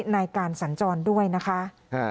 ในการสัญจรด้วยนะคะ